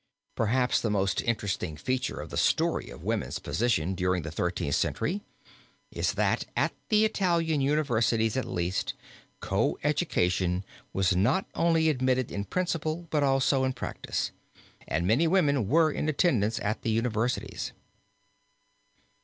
Perhaps the most interesting feature of the story of woman's position during the Thirteenth Century is that at the Italian universities at least, co education was not only admitted in principle but also in practice, and many women were in attendance at the universities.